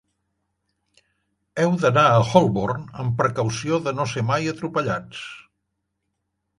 Heu d'anar a Holborn, amb precaució de no ser mai atropellats.